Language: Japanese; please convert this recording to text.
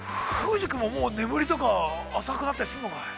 ◆楓珠君も、もう眠りとか浅くなったりするのかい？